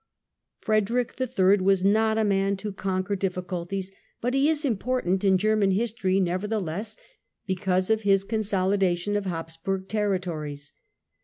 Frederick HI. was not a man to conquer diffi culties ; but he is important in German history never theless, because of his consolidation of Habsburg territories.